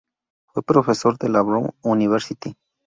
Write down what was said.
Fue profesor en la Brown University.